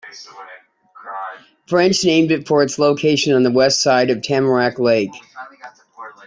French named it for its location on the west side of Tamarack Lake.